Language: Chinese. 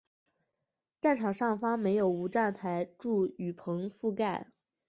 站场上方设有无站台柱雨棚覆盖。